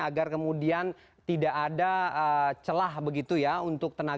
agar kemudian tidak ada celahnya